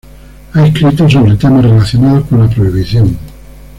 Ha escrito sobre temas relacionados con la prohibición.